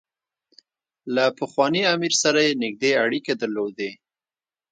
له پخواني امیر سره یې نېږدې اړیکې درلودې.